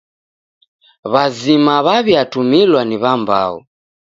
W'azima w'aw'iatumilwa ni w'ambao.